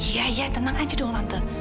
iya ya tenang aja dong tante